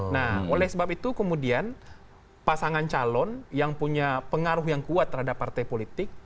nah oleh sebab itu kemudian pasangan calon yang punya pengaruh yang kuat terhadap partai politik